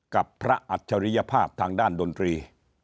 กับพระอัจฉริยภาพทางด้านดนตรี